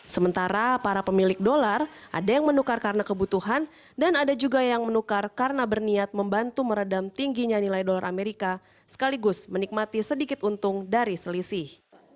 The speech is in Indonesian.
sementara para pemilik dolar ada yang menukar karena kebutuhan dan ada juga yang menukar karena berniat membantu meredam tingginya nilai dolar amerika sekaligus menikmati sedikit untung dari selisih